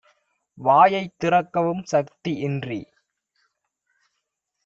வாயைத் திறக்கவும் சக்தி - இன்றி